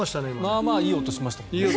まあまあいい音しましたもんね。